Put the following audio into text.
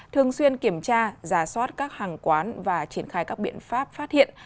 thường xuyên kiểm tra giả soát các hàng quán và triển khai các biện pháp phát hiện